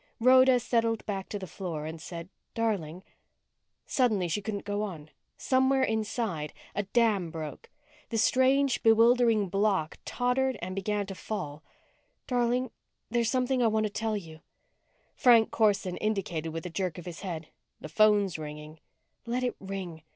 Rhoda settled back to the floor and said, "Darling " Suddenly she couldn't go on. Somewhere inside, a dam broke; the strange, bewildering block tottered and began to fall. "Darling there's something I want to tell you " Frank Corson indicated with a jerk of his head. "The phone's ringing." "Let it ring.